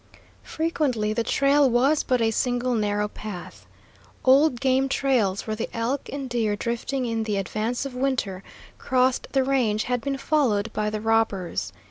Frequently the trail was but a single narrow path. Old game trails, where the elk and deer, drifting in the advance of winter, crossed the range, had been followed by the robbers.